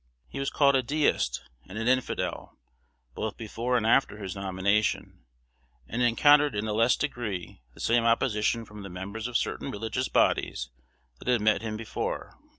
He was called a deist and an infidel, both before and after his nomination, and encountered in a less degree the same opposition from the members of certain religious bodies that had met him before.